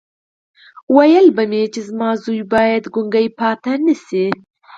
ويل به مې چې زما زوی بايد ګونګی پاتې نه شي.